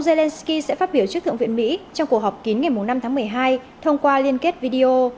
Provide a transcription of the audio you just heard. zelensky sẽ phát biểu trước thượng viện mỹ trong cuộc họp kín ngày năm tháng một mươi hai thông qua liên kết video